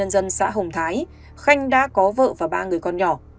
ở thái bình khanh đã có vợ và ba người con nhỏ